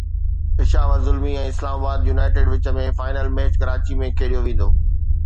Peshawar Zalmi ۽ Islamabad United وچ ۾ final match Karachi ۾ کيڏيو ويندو